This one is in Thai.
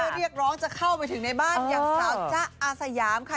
เรียกร้องจะเข้าไปถึงในบ้านอย่างสาวจ๊ะอาสยามค่ะ